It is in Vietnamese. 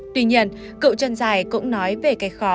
tuy nhiên cựu trân giài cũng nói về cái khó